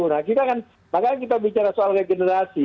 nah kita kan makanya kita bicara soal regenerasi